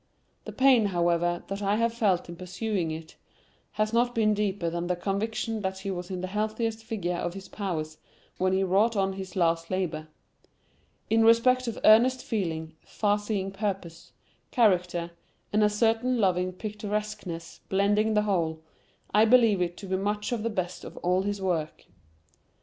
The pain, however, that I have felt in perusing it, has not been deeper than the conviction that he was in the healthiest vigour of his powers when he wrought on this last labour. In respect of earnest feeling, far seeing purpose, character, incident, and a certain loving picturesqueness blending the whole, I believe it to be much the best of all his works.